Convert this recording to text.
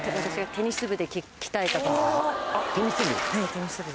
テニス部？